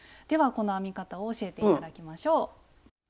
この編み方を教えていただきましょう。